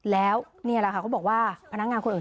แล้วนี่แหละค่ะเขาบอกว่าพนักงานคนอื่น